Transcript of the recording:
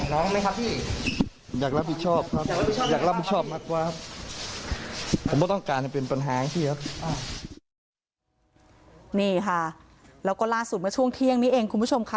นี่ค่ะเราก็ลาสุดมาช่วงเที่ยงนี้เองคุณผู้ชมคะ